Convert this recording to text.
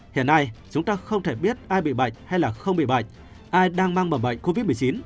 hiện nay chúng ta không thể biết ai bị bệnh hay là không bị bệnh ai đang mang bầm bệnh covid một mươi chín